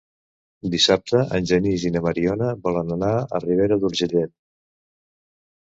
Dissabte en Genís i na Mariona volen anar a Ribera d'Urgellet.